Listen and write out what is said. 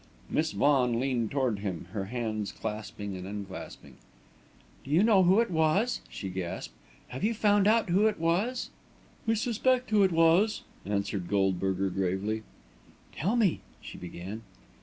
Miss Vaughan leaned toward him, her hands clasping and unclasping. "Do you know who it was?" she gasped. "Have you found out who it was?" "We suspect who it was," answered Goldberger gravely. "Tell me," she began.